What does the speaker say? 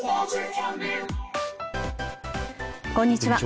こんにちは。